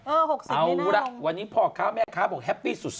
เออ๖๐กิโมงเอาล่ะวันนี้พ่อครับแม่ครับบอกแฮปปี้สุด